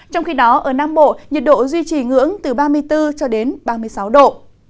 trong khi đó ở nam bộ nhiệt độ duy trì ngưỡng từ ba mươi bốn cho đến ba mươi sáu độ